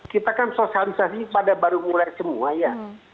kita kan sosialisasi pada baru mulai semua ya